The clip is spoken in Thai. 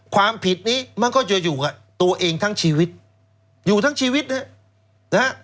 ความผิดนี้มันก็จะอยู่กับตัวเองทั้งชีวิตอยู่ทั้งชีวิตนะฮะ